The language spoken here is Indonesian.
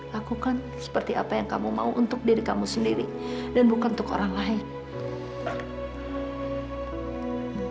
lakukan seperti apa yang kamu mau untuk diri kamu sendiri dan bukan untuk orang lain